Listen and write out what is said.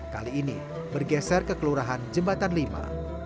kali ini bergeser ke kelurahan jembatan lima